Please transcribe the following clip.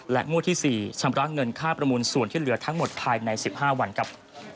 งวดที่๔ชำระเงินค่าประมูลส่วนที่เหลือทั้งหมดภายใน๑๕วันครับ